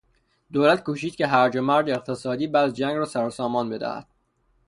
دولت کوشید که هرج و مرج اقتصادی بعد از جنگ را سرو سامان بدهد.